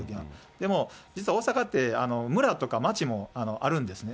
でも実は大阪って、村とか町もあるんですね。